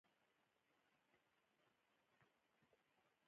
زه ټوله ورځ له ناروغانو سره بوخت وم، هېڅ وخت مې پیدا نکړ